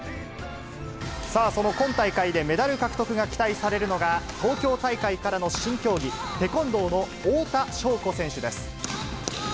その今大会でメダル獲得が期待されるのが、東京大会からの新競技、テコンドーの太田渉子選手です。